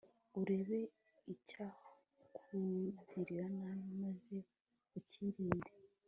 urebe icyakugirira nabi maze ukirinde